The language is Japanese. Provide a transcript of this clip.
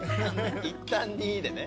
いったん２でね。